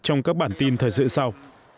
trong các bản tin thời sự sau